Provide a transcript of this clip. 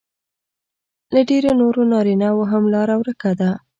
له ډېرو نورو نارینهو هم لار ورکه ده